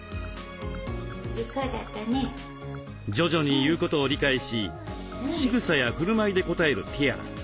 徐々に言うことを理解ししぐさやふるまいで応えるティアラ。